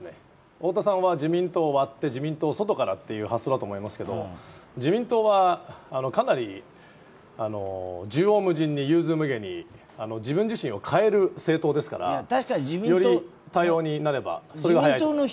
太田さんは自民党を割って自民党の外からという発想だと思いますけど自民党は、かなり縦横無尽に、自分自身を変える政党ですからより多様になればそれが早いと思います。